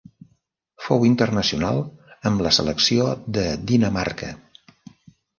Fou internacional amb la selecció de Dinamarca.